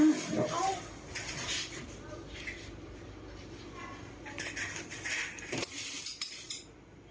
เนี่ยมันเอาปืนมา